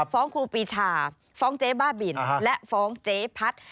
ฟ้องครูปีชาฟ้องเจ๊บ้าบิลและฟ้องเจ๊พัทธ์